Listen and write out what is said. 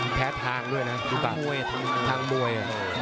มันแพ้ภาคด้วยนะทางมวยทางมวย